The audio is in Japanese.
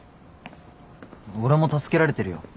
俺も助けられてるよ。